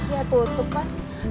ya tutup pak